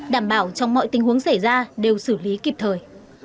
đảm bảo trong mọi tình huống xảy ra đều xử lý kịp thời